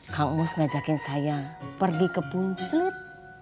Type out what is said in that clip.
kang mus ngajakin saya pergi ke puncut